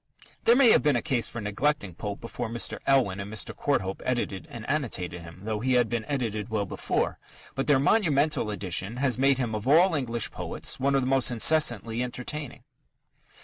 There may have been a case for neglecting Pope before Mr. Elwin and Mr. Courthope edited and annotated him though he had been edited well before but their monumental edition has made him of all English poets one of the most incessantly entertaining.